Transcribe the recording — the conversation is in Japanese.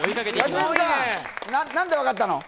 なんで分かったの？